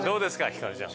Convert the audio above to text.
ひかるちゃん。